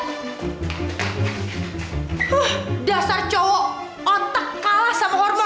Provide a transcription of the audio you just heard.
huh dasar cowok otak kalah sama hormon